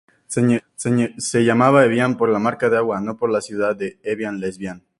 Se llamaba Evian por la marca de agua, no por la ciudad de Évian-les-Bains.